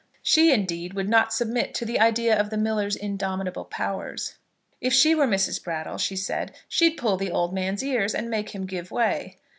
She indeed would not submit to the idea of the miller's indomitable powers. If she were Mrs. Brattle, she said, she'd pull the old man's ears, and make him give way.